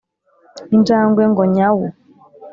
Injangwe ngo nyawu